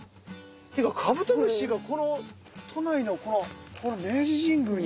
っていうかカブトムシが都内のこの明治神宮に。